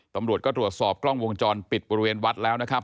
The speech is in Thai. ตำรวจก็ตรวจสอบกล้องวงจรปิดบริเวณวัดแล้วนะครับ